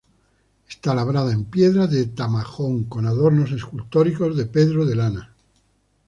Está labrada en piedra de Tamajón, con adornos escultóricos de Pedro de Landa.